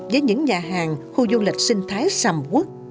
với những nhà hàng khu du lịch sinh thái sầm quất